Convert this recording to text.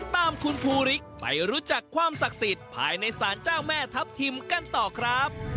ตามคุณภูริไปรู้จักความศักดิ์สิทธิ์ภายในศาลเจ้าแม่ทัพทิมกันต่อครับ